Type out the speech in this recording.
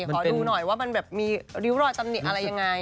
ขอดูหน่อยว่ามันแบบมีริ้วรอยตำหนิอะไรยังไง